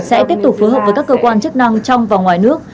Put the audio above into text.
sẽ tiếp tục phối hợp với các cơ quan chức năng trong và ngoài nước